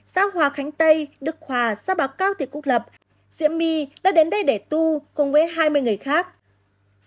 xã hòa khánh tây đức hòa xã bảo cao thị quốc lập diễm bi đã đến đây để tu cùng với hai mươi người khác